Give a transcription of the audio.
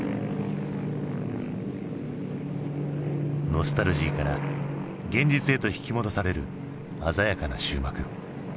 ノスタルジーから現実へと引き戻される鮮やかな終幕。